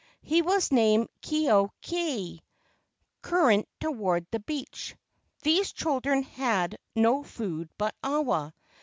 He was named Ke au kai (current toward the beach). These children had no food but awa.